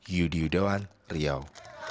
yudi udoan riau